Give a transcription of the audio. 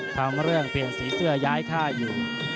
ทำเรื่องเปลี่ยนสีเสื้อย้ายค่าอยู่